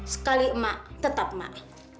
sekali emak tetap emak